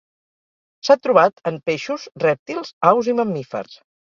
S'ha trobat en peixos, rèptils, aus i mamífers.